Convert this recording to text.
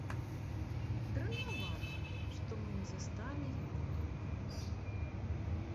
Дрэннавата, што мы не засталі яго дома.